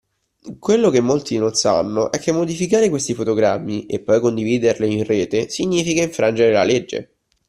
Quello che molti non sanno è che modificare questi fotogrammi e poi condividerle in rete significa infrangere la legge.